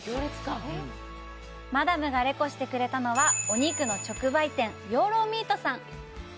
マダムがレコしてくれたのは、お肉の直売店、養老ミートさん。